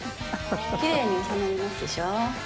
きれいに収まりますでしょう。